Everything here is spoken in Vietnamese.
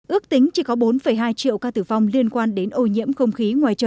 ước tính chỉ có bốn hai triệu ca tử vong liên quan đến ô nhiễm không khí